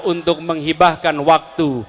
untuk menghibahkan waktu